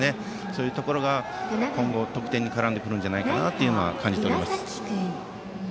そういうところが今後、得点に絡んでくるんじゃないかなと感じ取れます。